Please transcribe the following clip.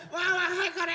はいこれ！